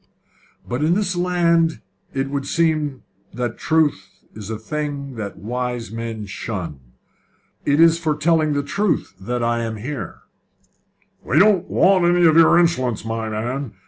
"But in this land it would seem that truth is a thing that wise men shun. It is for telling the truth that I am here." "We don't want any of your insolence, my man!